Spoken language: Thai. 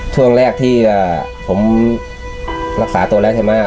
ช่วงแรกที่ผมรักษาตัวแล้วใช่ไหม